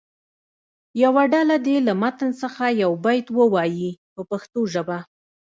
یوه ډله دې له متن څخه یو بیت ووایي په پښتو ژبه.